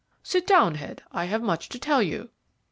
"Sit down, Head; I have much to tell you."